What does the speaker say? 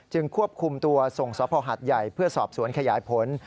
ควบคุมตัวส่งสภหัดใหญ่เพื่อสอบสวนขยายผล